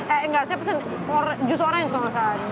eh nggak saya pesan jus orang yang suka masakan